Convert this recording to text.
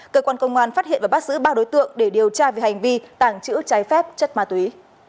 cơ quan công an phát hiện và bắt giữ ba đối tượng để điều tra về hành vi tàng trữ trái phép chất ma túy